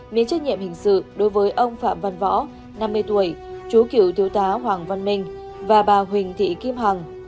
miễn trách nhiệm hình sự đối với ông phạm văn võ năm mươi tuổi chú cựu thiếu tá hoàng văn minh và bà huỳnh thị kim hằng